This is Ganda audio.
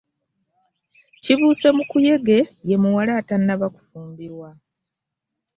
Kibuusemukuyege ye muwala atannaba kufumbirwa.